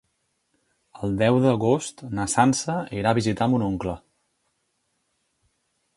El deu d'agost na Sança irà a visitar mon oncle.